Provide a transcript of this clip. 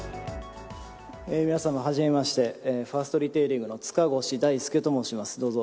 皆さまはじめましてファーストリテイリングの塚越大介と申します